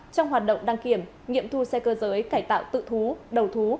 trong hoạt động đăng kiểm nghiệm thu xe cơ giới cải tạo tự thú đầu thú